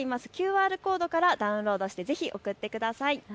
ＱＲコードからダウンロードしてぜひ送ってください。